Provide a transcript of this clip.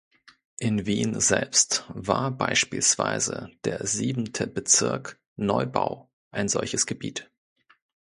In Wien selbst war beispielsweise der siebente Bezirk Neubau ein solches Gebiet.